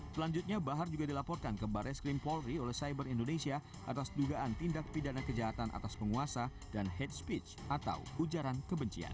selanjutnya bahar juga dilaporkan ke baris krim polri oleh cyber indonesia atas dugaan tindak pidana kejahatan atas penguasa dan hate speech atau ujaran kebencian